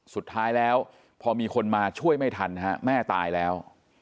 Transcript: สุดท้ายแล้วพอมีคนมาช่วยไม่ทันฮะแม่ตายแล้ว